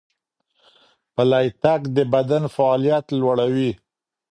پلی تګ د بدن فعالیت لوړوي.